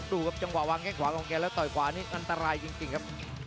ดูครับจังหวะวางแข้งขวาของแกแล้วต่อยขวานี่อันตรายจริงครับ